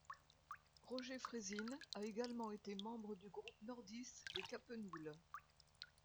Roger Frezin a également été membre du groupe nordiste les Capenoules.